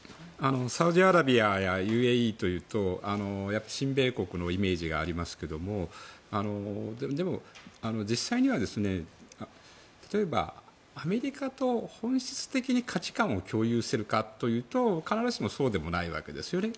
サウジアラビアやＵＡＥというと親米国のイメージがありますがでも、実際には例えば、アメリカと本質的に価値観を共有しているかというと必ずしもそうでもないわけですよね。